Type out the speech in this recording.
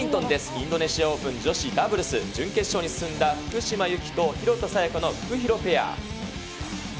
インドネシアオープン、女子ダブルス準決勝に進んだ、福島由紀と廣田彩花のフクヒロペア。